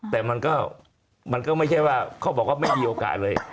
แต่มันก็ไม่ใช่ว่าเขาบอกว่าไม่มีโอกาสเลย